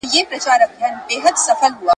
د پاچاهانو او جګړو ثبت نه باله